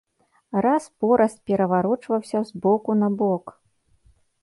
Раз-пораз пераварочваўся з боку на бок.